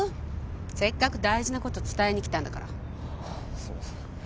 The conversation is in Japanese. せっかく大事なこと伝えに来たんだからすいません